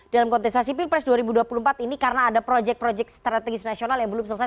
dalam kontestasi pilpres dua ribu dua puluh empat ini karena ada proyek proyek strategis nasional yang belum selesai